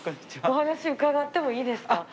お話伺ってもいいですか？